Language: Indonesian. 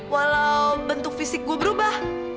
walau bentuk fisik gue berubah